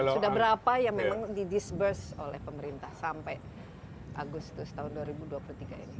sudah berapa yang memang di disburse oleh pemerintah sampai agustus tahun dua ribu dua puluh tiga ini